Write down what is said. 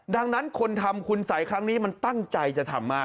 ดังนั้นคนทำคุณสัยครั้งนี้มันตั้งใจจะทำมาก